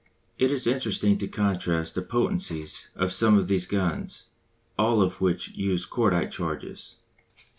It is interesting to contrast the potencies of some of these guns, all of which use cordite charges.